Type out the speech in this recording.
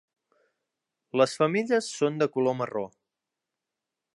Les femelles són de color marró.